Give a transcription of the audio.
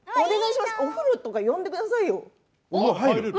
お風呂とか呼んでくださいよ。